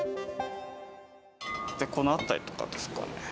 このあたりとかですかね。